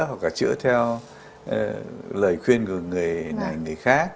hoặc là chữa theo lời khuyên của người này người khác